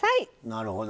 なるほど。